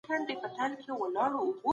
اسمانونه به ډیر لوړ وي خو معنی دي ور رسوي.